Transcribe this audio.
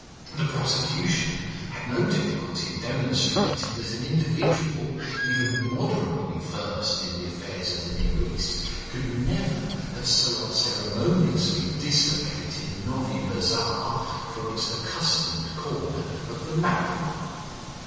The prosecution had no difficulty in demonstrating that an individual, even moderately versed in the affairs of the Near East, could never have so unceremoniously dislocated Novibazar from its accustomed corner of the map.